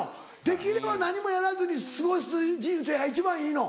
できれば何もやらずに過ごす人生が一番いいの？